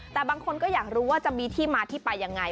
แต่บางคนก็อยากรู้ว่าจะมีที่มาที่ไปยังไง